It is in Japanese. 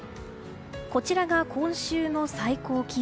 こちらが今週の最高気温。